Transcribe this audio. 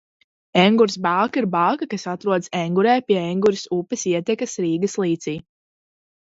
Engures bāka ir bāka, kas atrodas Engurē pie Engures upes ietekas Rīgas līcī.